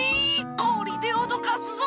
こりでおどかすぞ！